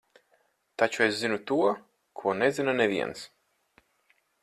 Taču es zinu to, ko nezina neviens.